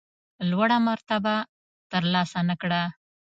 لوړه مرتبه ترلاسه نه کړه.